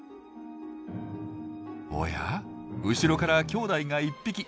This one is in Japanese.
おや後ろからきょうだいが１匹。